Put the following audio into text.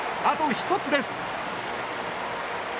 あと１つです。